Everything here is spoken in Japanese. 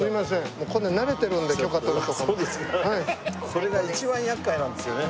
これが一番厄介なんですよね。